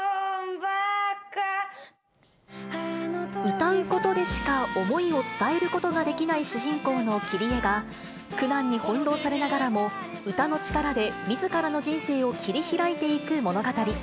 歌うことでしか思いを伝えることができない主人公のキリエが、苦難に翻弄されながらも歌の力でみずからの人生を切り開いていく物語。